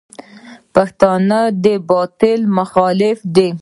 پښتون د باطل مخالف دی.